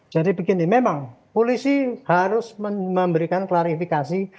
jadi begini memang polisi harus memberikan klarifikasi